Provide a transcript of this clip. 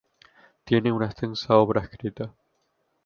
Tiene una extensa obra escrita.